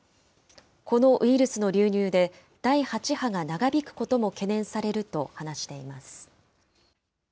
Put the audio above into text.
このウイルスの流入で、第８波が長引くことも懸念されると話しています。